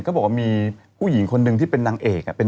ก็อยู่เพิงบุญไง